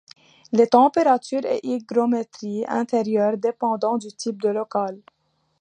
Les températures et hygrométries intérieures dépendent du type de local.